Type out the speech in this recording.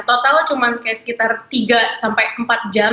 totalnya cuma kayak sekitar tiga sampai empat jam